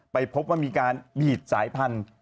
ไปพบว่ามีการบีดสายพันธุ์